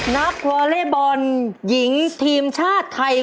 วอเล็กบอลหญิงทีมชาติไทย